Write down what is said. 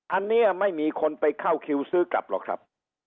อันนี้ไม่มีคนไปเข้าคิวซื้อกลับหรอกครับ